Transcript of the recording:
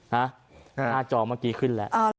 หน้าจอเมื่อกี้ขึ้นแล้ว